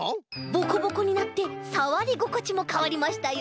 ボコボコになってさわりごこちもかわりましたよ。